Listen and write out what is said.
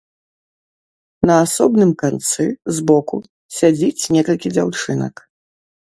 На асобным канцы, збоку, сядзіць некалькі дзяўчынак.